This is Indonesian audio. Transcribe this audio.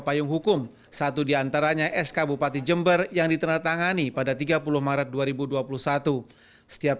payung hukum satu diantaranya sk bupati jember yang ditandatangani pada tiga puluh maret dua ribu dua puluh satu setiap